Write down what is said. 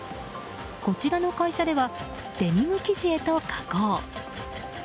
こちらの会社ではデニム生地へと加工。